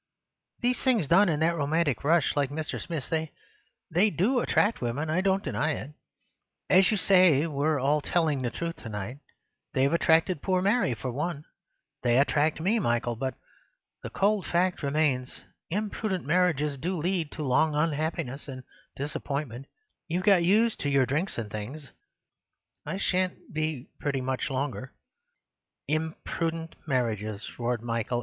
These things done in that romantic rush, like Mr. Smith's, they— they do attract women, I don't deny it. As you say, we're all telling the truth to night. They've attracted poor Mary, for one. They attract me, Michael. But the cold fact remains: imprudent marriages do lead to long unhappiness and disappointment— you've got used to your drinks and things—I shan't be pretty much longer—" "Imprudent marriages!" roared Michael.